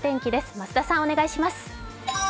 増田さん、お願いします。